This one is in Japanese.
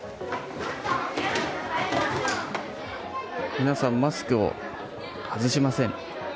皆さんマスクを外しません。